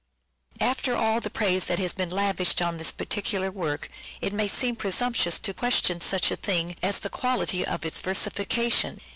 After all the praise that has been lavished on this particular work it may seem presumptuous to question such a thing as the quality of its versification.